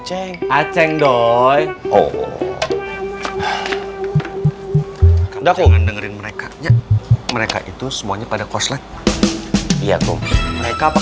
ceng ceng doi oh udah kum dengerin mereka mereka itu semuanya pada korslet iya kum mereka apa